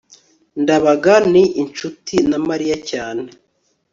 ndabaga ni inshuti na mariya cyane